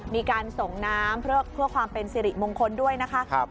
มีการส่งน้ำเพื่อความเป็นสิริมงคลด้วยนะคะ